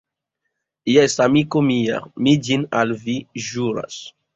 Jes, amiko mia, mi ĝin al vi ĵuras.